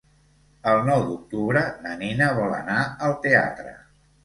El nou d'octubre na Nina vol anar al teatre.